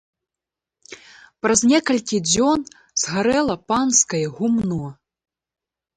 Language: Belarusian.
Праз некалькі дзён згарэла панскае гумно.